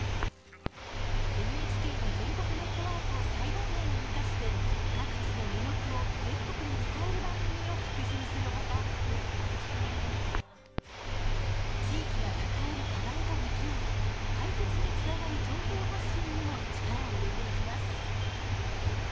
ＮＨＫの全国ネットワークを最大限に生かして各地の魅力を全国に伝える番組を拡充するほか地域が抱える課題と向き合い解決につながる情報発信にも力を入れていきます。